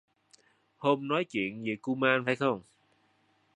hôm nói chuyện về kuman phải không